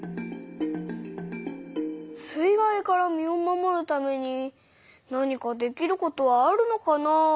水害から身を守るために何かできることはあるのかなあ？